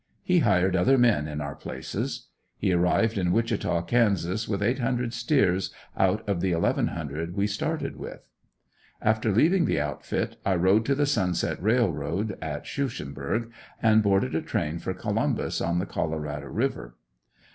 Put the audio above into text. He hired other men in our places. He arrived in Wichita, Kansas with eight hundred steers, out of the eleven hundred we started with. After leaving the outfit I rode to the Sunset railroad at Shusenburg and boarded a train for Columbus on the Colorado river.